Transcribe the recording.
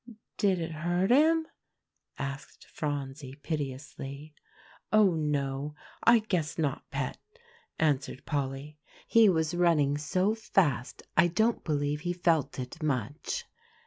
"Did it hurt him?" asked Phronsie piteously. "Oh, no! I guess not, Pet," answered Polly; "he was running so fast I don't believe he felt it much.